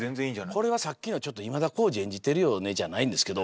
これはさっきの「今田耕司を演じてるよね？」じゃないんですけど